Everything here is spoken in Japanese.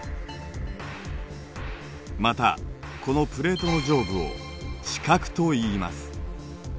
またこのプレートの上部を地殻といいます。